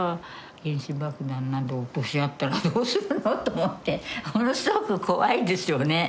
原子爆弾など落とし合ったらどうするのと思ってものすごく怖いですよね。